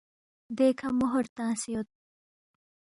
دیکھہ مہر تنگسے یود